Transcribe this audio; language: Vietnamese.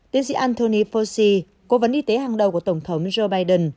tiến sĩ anthony fosi cố vấn y tế hàng đầu của tổng thống joe biden